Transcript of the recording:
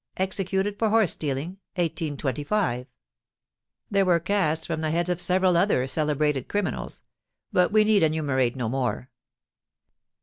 Executed for Horse stealing, 1825. There were casts from the heads of several other celebrated criminals; but we need enumerate no more.